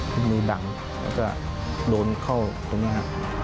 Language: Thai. จบมือดังแล้วก็โดนเข้าตรงนี้